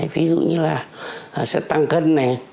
ví dụ như là sẽ tăng cân